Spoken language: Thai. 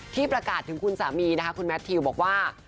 ที่ประกาศถึงคุณสามีนะคะคุณแมททิวบอกว่า